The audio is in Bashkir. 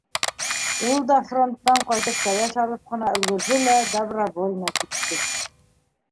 Ул да фронттан ҡайтып кәләш алып ҡына өлгөрҙө лә добровольно китте.